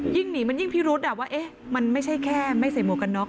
หนีมันยิ่งพิรุษว่ามันไม่ใช่แค่ไม่ใส่หมวกกันน็อ